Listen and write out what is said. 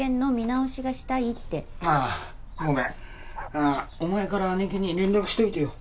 あっお前から姉貴に連絡しといてよ。